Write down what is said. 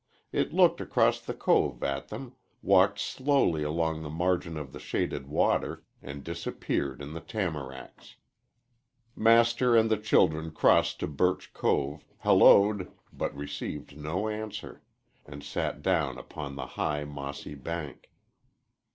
It looked across the cove at them, walked slowly along the margin of the shaded water, and disappeared in the tamaracks. Master and the children crossed to Birch Cove, hallooed, but received no answer, and sat down upon the high, mossy bank.